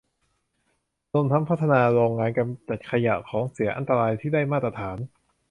รวมทั้งพัฒนาโรงงานกำจัดขยะ ของเสียอันตรายที่ได้มาตรฐาน